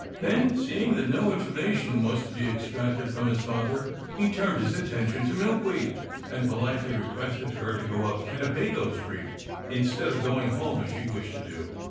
Then seeing that no informa tion was to be extracted from his father, he turned his attention to Milkweed, and poHtely requested her to go up Kennebago Street instead of going home as she wished to do.